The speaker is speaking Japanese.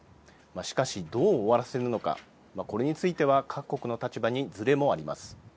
しかし、どう終わらせるのかこれについては各国の立場に、ずれもあります。